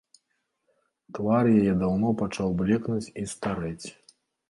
Твар яе даўно пачаў блекнуць і старэць.